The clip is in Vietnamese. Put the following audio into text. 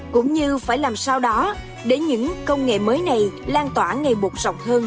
cũng như phải làm sao đó để những công nghệ mới này lan tỏa ngày buộc rộng hơn